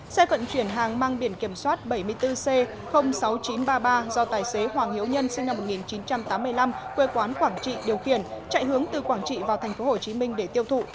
xe vận chuyển hàng mang biển kiểm soát bảy mươi bốn c sáu nghìn chín trăm ba mươi ba do tài xế hoàng hiếu nhân sinh năm một nghìn chín trăm tám mươi năm quê quán quảng trị điều khiển chạy hướng từ quảng trị vào tp hcm để tiêu thụ